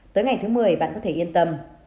tới ngày thứ một mươi bạn có thể yên tâm